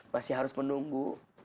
masih harus menunggu